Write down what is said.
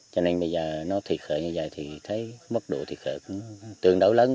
cho nên bây giờ nó thiệt hại như vậy thì thấy mất đủ thiệt hại